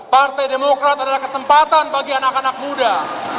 partai demokrat adalah kesempatan bagi anak anak muda